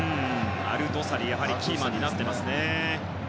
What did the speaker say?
アルドサリ、やっぱりキーマンになっていますね。